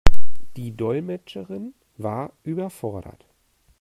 Die Dolmetscherin war überfordert.